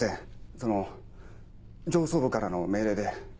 その上層部からの命令で。